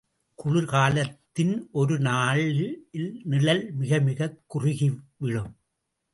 குளிர் காலத்தின் ஒரு நாளில் நிழல் மிக மிகக் குறுகி விழும்.